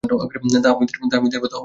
তাহমিদের মতো হও।